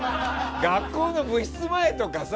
学校の部室前とかさ